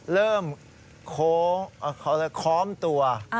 เริ่มคล้อมตัว